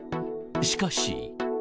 しかし。